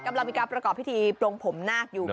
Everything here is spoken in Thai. กำลังมีการประกอบพิธีปลงผมนาคอยู่